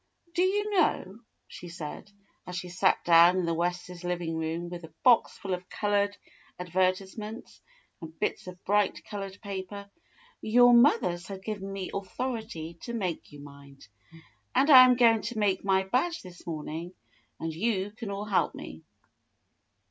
"Do you know," she said, as she sat dow^n in the Wests' living room with a box full of colored adver tisements and bits of bright colored paper, "your mothers have given me authority to make you mind, and I am going to make my badge this morning, and you can all help me."